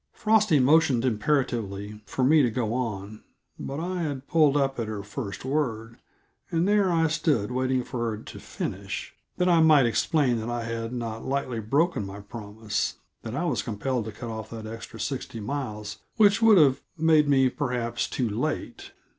Frosty motioned imperatively for me to go on, but I had pulled up at her first word, and there I stood, waiting for her to finish, that I might explain that I had not lightly broken my promise; that I was compelled to cut off that extra sixty miles which would have made me, perhaps, too late.